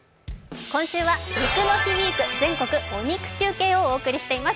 今週は「肉の日ウィーク全国お肉中継」をお送りしています